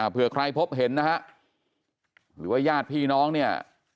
เพื่อใครพบเห็นนะฮะหรือว่าญาติพี่น้องเนี่ย